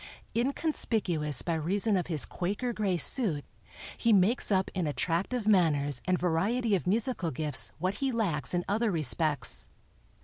Inconspicuous by reason of his Quaker gray suit, he makes up in attractive manners and variety of musical gifts what he lacks in other respects.